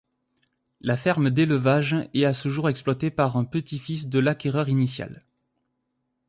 La ferme d’élevage est à ce jour exploitée par un petit-fils de l’acquéreur initial.